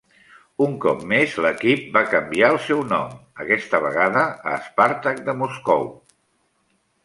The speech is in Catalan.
Un cop més l'equip va canviar el seu nom, aquesta vegada a Spartak de Moscou.